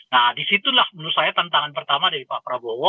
nah disitulah menurut saya tantangan pertama dari pak prabowo